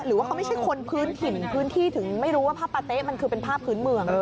หรือว่าเขาไม่ใช่คนพื้นถิ่นพื้นที่ถึงไม่รู้ว่าภาพปะเต๊ะมันคือเป็นภาพพื้นเมือง